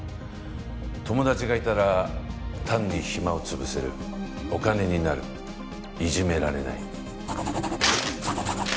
友達がいたら単に暇を潰せるお金になるいじめられない。